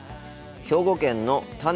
兵庫県のた